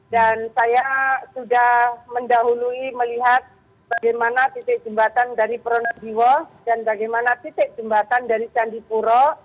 dan saya sudah mendahului melihat bagaimana titik jembatan dari pronojiwo dan bagaimana titik jembatan dari candipuro